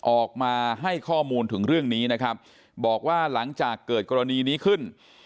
ออกมาให้ข้อมูลถึงเรื่องนี้นะครับบอกว่าหลังจากเกิดกรณีนี้ขึ้น